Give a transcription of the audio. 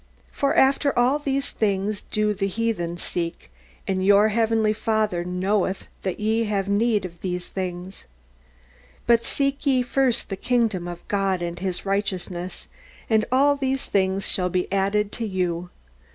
For after all these things do the heathen seek, and your Heavenly Father knoweth that ye have need of these things. But seek ye first the kingdom of God and His righteousness, and all these things shall be added to you."